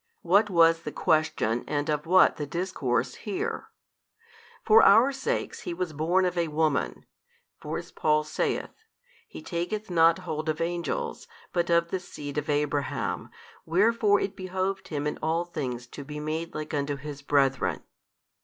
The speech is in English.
What was the question and of what the discourse, hear. For our sakes was He born of a woman: for as Paul saith, He taketh not hold of angels, but of the seed of Abraham, wherefore it behoved Him in all things to be made like unto His brethren.